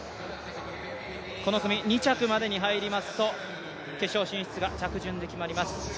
この組、２着までに入りますと決勝進出が着順で決まります。